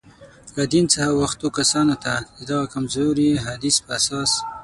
له دین څخه اوښتو کسانو ته، د دغه کمزوري حدیث په اساس.